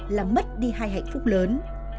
là mất đi hai hạnh phúc của mình